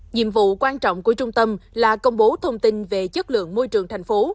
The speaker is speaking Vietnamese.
nhiệm vụ quan trọng của trung tâm là công bố thông tin về chất lượng môi trường thành phố